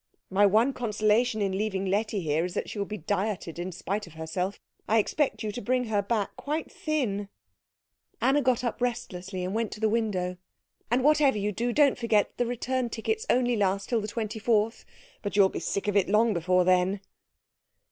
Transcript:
"My one consolation in leaving Letty here is that she will be dieted in spite of herself. I expect you to bring her back quite thin." Anna got up restlessly and went to the window. "And whatever you do, don't forget that the return tickets only last till the 24th. But you'll be sick of it long before then."